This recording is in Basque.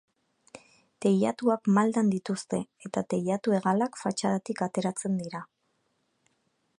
Teilatuak maldan dituzte eta teilatu-hegalak fatxadatik ateratzen dira.